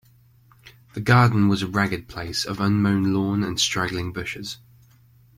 The garden was a ragged place of unmown lawn and straggling bushes.